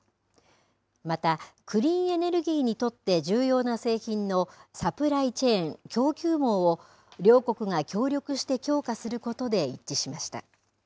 また、クリーンエネルギーにとって重要な製品のサプライチェーン、供給網を両国が協力して強化することで一致しました。